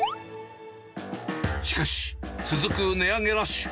しかし、続く値上げラッシュ。